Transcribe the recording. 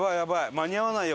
間に合わないよ